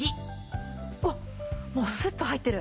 あっもうスッと入ってる。